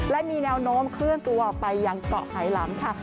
และมีแนวโน้มเคลื่อนตัวไปยังเกาะไหลำค่ะ